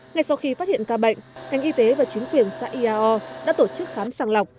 ngay sau khi phát hiện ca bệnh ngành y tế và chính quyền xã iao đã tổ chức khám sàng lọc